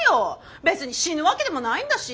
別に死ぬわけでもないんだし。